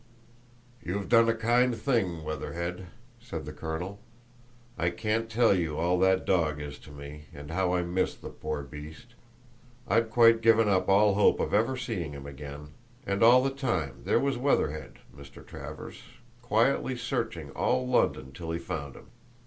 "You've done a kind thing, Weatherhead," said the colonel. "I can't tell you all that dog is to me, and how I missed the poor beast. I'd quite given up all hope of ever seeing him again, and all the time there was Weatherhead, Mr. Travers, quietly searching all London till he found him!